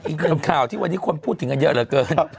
อีกหนึ่งข่าวที่วันนี้คนพูดถึงกันเยอะเหลือเกิน